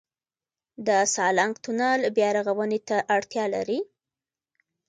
د سالنګ تونل بیارغونې ته اړتیا لري؟